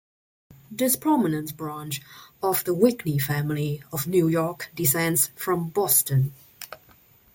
This prominent branch of the Whitney family of New York descends from Boston.